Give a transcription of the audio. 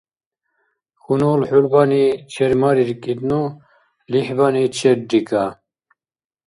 Хьунул хӀулбани чермариркӀидну, лихӀбани черрикӀа.